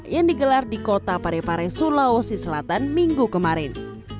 yang digelar di kota parepare sulawesi selatan minggu kemarin